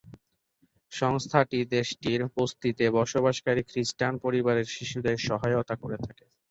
সংস্থাটি দেশটির বস্তিতে বসবাসকারী খ্রিষ্টান পরিবারের শিশুদের সহায়তা করে থাকে।